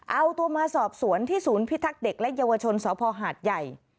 เอาตัวมาสอบสวนที่ศูนย์พิทักษ์เด็กและเยาวชนสพหาดใหญ่